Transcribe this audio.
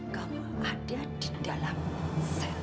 kamu ada di dalam sel